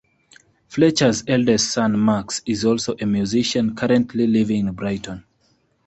Fletcher's eldest son Max is also a musician, currently living in Brighton.